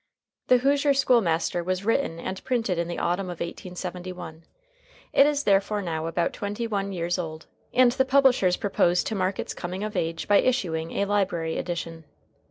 "THE HOOSIER SCHOOL MASTER" was written and printed in the autumn of 1871. It is therefore now about twenty one years old, and the publishers propose to mark its coming of age by issuing a library edition.